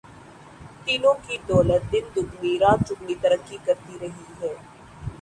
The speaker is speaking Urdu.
تینوں کی دولت دن دگنی رات چوگنی ترقی کرتی رہی ہے۔